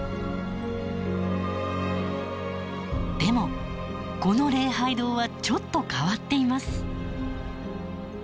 でもこの礼拝堂はちょっと変わっています。